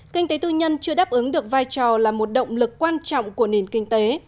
kinh tế tư nhân chưa đáp ứng được vai trò là một động lực quan trọng của nền kinh tế